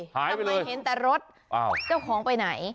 ทำไมเห็นแต่รถเจ้าของไปไหน